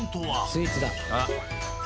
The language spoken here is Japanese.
「スイーツだ」